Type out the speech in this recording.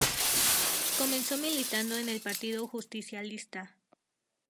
Comenzó militando en el Partido Justicialista.